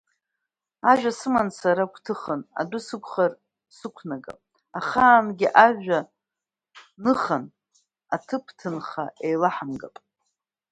Ажәа сыман сара гәҭыхан, адәы сықәхар сықәнагап, ахаангьы ажәа ныхан, аҭыԥ-ныха еилаҳамгап.